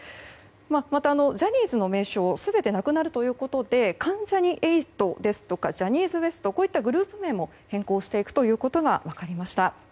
またジャニーズの名称が全てなくなるということで関ジャニ∞ですとかジャニーズＷＥＳＴなどのグループ名も変更してくことが分かりました。